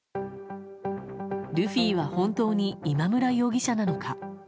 ルフィは本当に今村容疑者なのか。